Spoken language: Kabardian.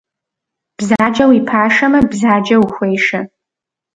Бзаджэ уи пашэмэ, бзаджэ ухуешэ.